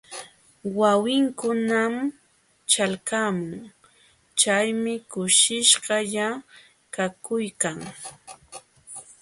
Wawinkunam ćhalqamun, chaymi kushishqalla kakuykan.